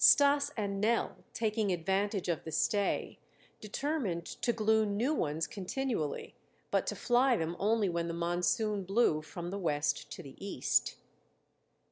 Stas and Nell, taking advantage of the stay, determined to glue new ones continually, but to fly them only when the monsoon blew from the west to the east.